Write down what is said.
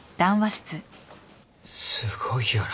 すごいよな。